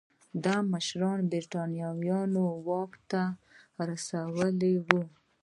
دا مشران برېټانویانو واک ته ورسول وو.